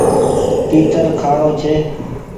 تيتر کآڻو ڇي ۔